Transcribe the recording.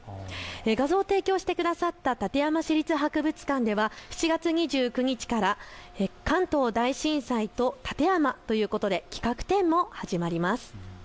画像を提供してくださった館山市立博物館では７月２９日から関東大震災と館山ということで企画展も始まります。